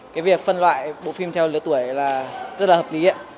cái việc phân loại bộ phim theo lứa tuổi là rất là hợp lý